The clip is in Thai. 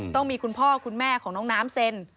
ต้องมีคุณพ่อคุณแม่ของน้องน้ำเซ็น